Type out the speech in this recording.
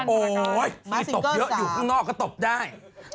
อยู่ตบเยอะอยู่ข้างนอกก็ตบได้